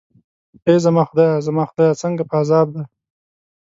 ای زما خدایه، زما خدای، څنګه په عذاب دی.